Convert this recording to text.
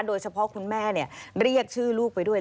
คุณแม่เรียกชื่อลูกไปด้วย